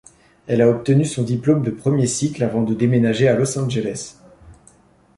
Elle a obtenu son diplôme de premier cycle, avant de déménager à Los Angeles.